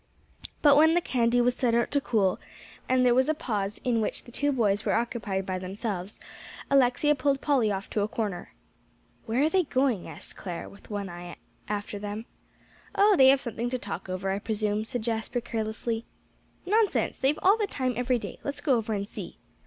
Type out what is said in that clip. But when the candy was set out to cool, and there was a pause in which the two boys were occupied by themselves, Alexia pulled Polly off to a corner. "Where are they going?" asked Clare, with one eye after them. "Oh, they have something to talk over, I presume," said Jasper carelessly. "Nonsense! they've all the time every day. Let's go over and see."